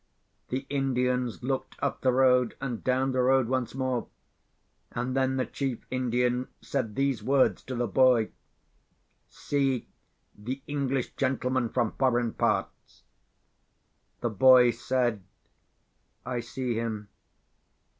The Indians looked up the road and down the road once more—and then the chief Indian said these words to the boy; "See the English gentleman from foreign parts." The boy said, "I see him."